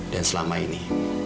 dan selama ini